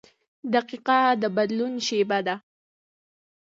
• دقیقه د بدلون شیبه ده.